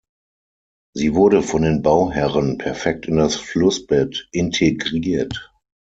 Sie wurde von den Bauherren perfekt in das Flussbett integriert.